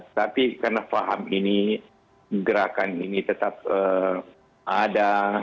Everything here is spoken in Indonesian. tapi karena faham ini gerakan ini tetap ada